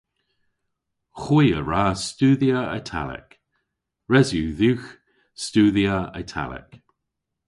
Hwi a wra studhya Italek. Res yw dhywgh studhya Italek.